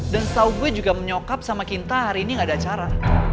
dan setau gue juga menyokap sama kinta hari ini gak ada acara